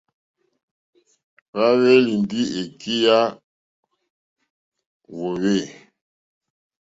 Hwá ŋwèyélì ndí èkí yá hwōhwê.